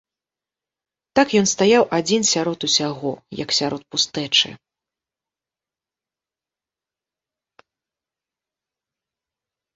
Так ён стаяў адзін сярод усяго, як сярод пустэчы.